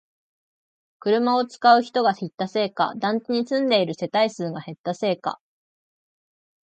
車を使う人が減ったせいか、団地に住んでいる世帯数が減ったせいか